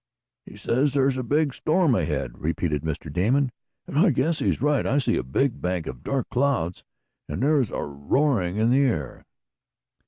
"He says there's a big storm ahead," repeated Mr. Damon, "and I guess he's right. I see a big bank of dark clouds, and there is a roaring in the air."